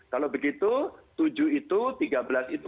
kalau begitu tujuh itu tiga belas itu